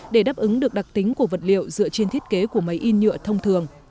để đáp ứng được đặc tính của vật liệu dựa trên thiết kế của máy in nhựa thông thường